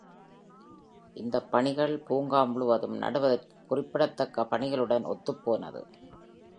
இந்தப் பணிகள் பூங்கா முழுவதும் நடுவதற்கு குறிப்பிடத்தக்க பணிகளுடன் ஒத்துப்போனது.